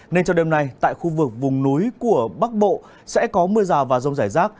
nên cho đêm nay tại khu vực vùng núi của bắc bộ sẽ có mưa rào và rông rải rác